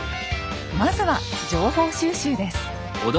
まずは情報収集です。